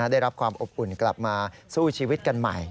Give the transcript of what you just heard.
ได้รับความอบอุ่นกลับมาสู้ชีวิตกันใหม่